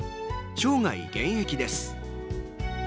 生涯現役です。